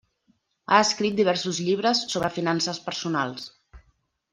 Ha escrit diversos llibres sobre finances personals.